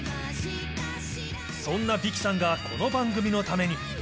そんなヴィキさんがこの番組のために。